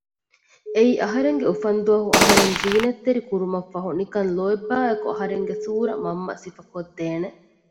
އެއީ އަހަރެންގެ އުފަންދުވަހު އަހަރެން ޒީނަތްތެރި ކުރުމަށްފަހު ނިކަން ލޯތްބާއެކު އަހަރެންގެ ސޫރަ މަންމަ ސިފަކޮށްދޭނެ